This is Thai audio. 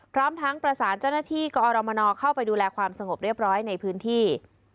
พร้อมทั้งประสานเจ้าหน้าที่กอรมนเข้าไปดูแลความสงบเรียบร้อยในพื้นที่